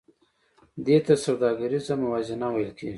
دې ته سوداګریزه موازنه ویل کېږي